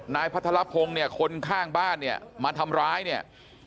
พัทรพงศ์เนี่ยคนข้างบ้านเนี่ยมาทำร้ายเนี่ย